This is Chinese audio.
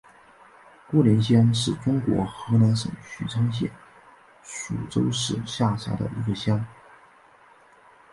郭连乡是中国河南省许昌市禹州市下辖的一个乡。